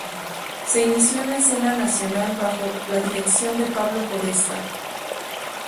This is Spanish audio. Se inició en la escena nacional bajo la dirección de Pablo Podestá.